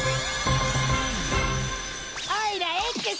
おいらｘ！